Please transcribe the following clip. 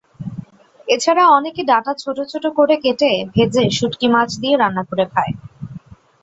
এছাড়া অনেকে ডাটা ছোট ছোট করে কেটে ভেজে শুঁটকি মাছ দিয়ে রান্না করে খায়।